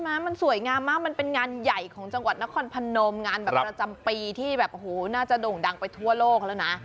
มันสวยงามมากมันเป็นงานใหญ่ของจังหวัดนครพนมงานแบบประจำปีที่แบบโอ้โหน่าจะโด่งดังไปทั่วโลกแล้วนะ